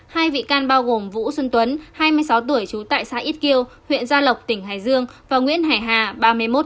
hai bị can bao gồm vũ xuân tuấn hai mươi sáu tuổi trú tại xã ít kiêu huyện gia lộc tỉnh hải dương và nguyễn hải hà ba mươi một tuổi